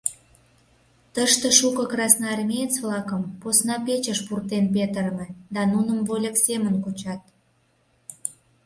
Тыште шуко красноармеец-влакым посна печыш пуртен петырыме да нуным вольык семын кучат.